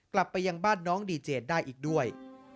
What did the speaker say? กลับไปยังบ้านน้องดีเจนได้อีกด้วย